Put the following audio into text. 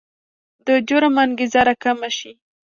د جرم انګېزه راکمه شي.